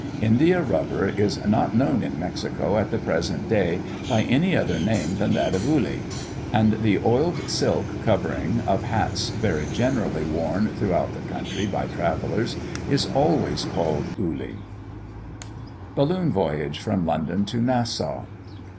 India rubber is not known in Mexico at the present day by any other name than that of ulli. And the oiled silk covering of hats very generally worn throughout the country by travellers is always called ulli. BALLOON VOYAGE FROM LONDON TO NASSAU.